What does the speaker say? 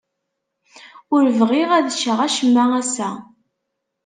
Ur bɣiɣ ad cceɣ acemma ass-a.